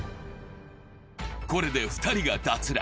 これで２人が脱落。